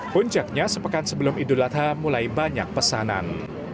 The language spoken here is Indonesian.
puncaknya sepekan sebelum idul adha mulai banyak pesanan